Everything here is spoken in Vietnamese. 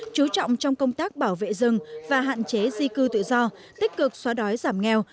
chú trọng trong công tác bảo vệ rừng và hạn chế di cư tự do tích cực xóa đói giảm nghèo